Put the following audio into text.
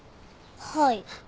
はい。